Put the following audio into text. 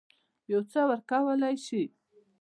یو څه ورکولای سي.